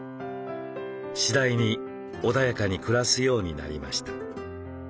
次第に穏やかに暮らすようになりました。